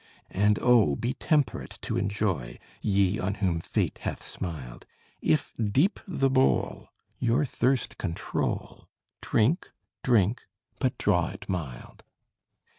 And oh! be temperate, to enjoy, Ye on whom Fate hath smiled; If deep the bowl, your thirst control: Drink, drink but draw it mild!